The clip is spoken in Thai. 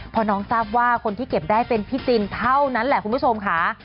พอน้องทราบว่าคนที่เก็บได้เป็นพี่จินเท่านั้นแหละคุณผู้ชมค่ะ